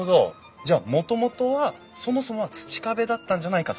じゃあもともとはそもそもは土壁だったんじゃないかと。